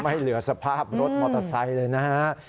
ไม่เหลือสภาพรถมอเตอร์ไซค์เลยนะฮะ